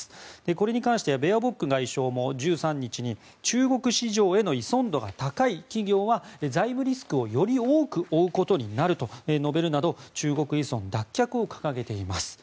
これに関してベアボック外相も１３日に中国市場への依存度が高い企業は財務リスクをより多く負うことになると述べるなど中国依存脱却を掲げています。